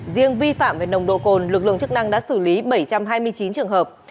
riêng vi phạm về nồng độ cồn lực lượng chức năng đã xử lý bảy trăm hai mươi chín trường hợp